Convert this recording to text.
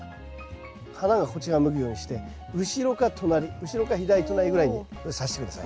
花がこちらを向くようにして後ろか隣後ろか左隣ぐらいにさして下さい。